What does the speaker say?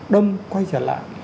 đâm quay trở lại